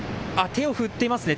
手を振っていますね。